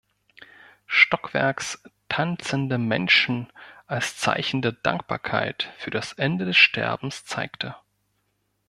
Stockwerks tanzende Menschen als Zeichen der Dankbarkeit für das Ende des Sterbens zeigte.